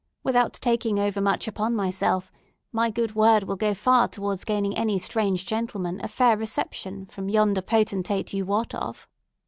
Without taking overmuch upon myself my good word will go far towards gaining any strange gentleman a fair reception from yonder potentate you wot of."